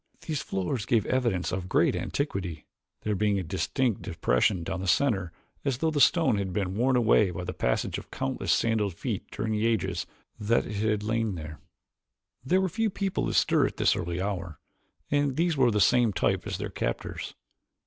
These floors gave evidence of great antiquity, there being a distinct depression down the center as though the stone had been worn away by the passage of countless sandaled feet during the ages that it had lain there. There were few people astir at this early hour, and these were of the same type as their captors.